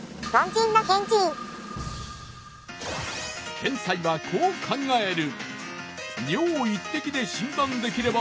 天才はこう考える。